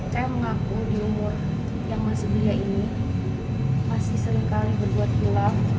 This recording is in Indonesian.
saya mengaku di umur yang masih belia ini masih seringkali berbuat hilang